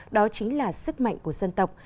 đó chính là sức mạnh của dân tộc